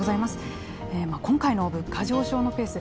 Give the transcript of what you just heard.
今回の物価上昇のペース。